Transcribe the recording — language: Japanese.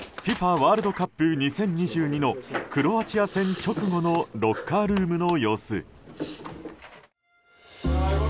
ワールドカップ２０２２のクロアチア戦直後のロッカールームの様子。